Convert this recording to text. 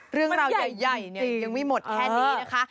เรื่องราวใหญ่ยังไม่หมดแค่นี้นะคะ